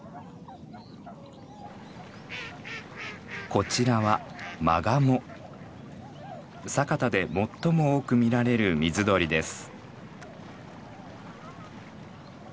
こちらは佐潟で最も多く見られる水鳥です。